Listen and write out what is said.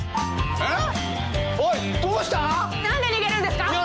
えっ！？